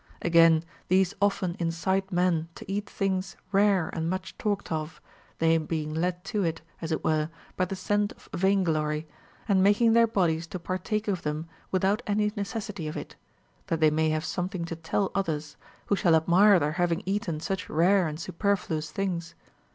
Again, these often incite men to eat things rare and much talked of, they being led to it, as it were, by the scent of vain glory, and making their bodies to partake of them without any necessity of it, that they may have something to tell others, who shall admire their having eaten such rare and superfluous things.